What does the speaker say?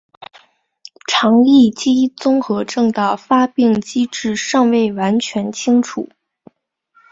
肠易激综合征的发病机制尚未完全清楚。